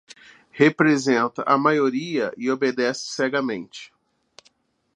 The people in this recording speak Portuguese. Representa a maioria e obedece cegamente.